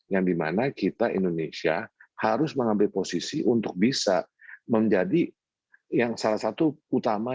yang dimana kita indonesia harus mengambil posisi untuk bisa menjadi yang salah satu utama